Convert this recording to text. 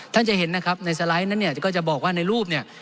จะเห็นนะครับในสไลด์นั้นเนี่ยก็จะบอกว่าในรูปเนี่ย